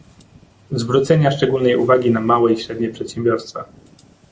zwrócenia szczególnej uwagi na małe i średnie przedsiębiorstwa